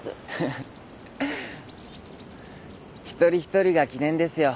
１人１人が記念ですよ。